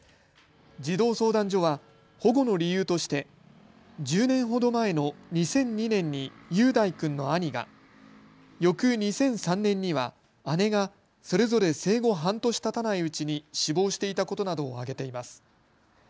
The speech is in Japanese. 児童相談所は保護の理由として１０年ほど前の２００２年に雄大君の兄が、翌２００３年には姉がそれぞれ生後半年たたないうちに死亡していたことなどを挙げています。